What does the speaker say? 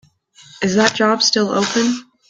Is that job still open?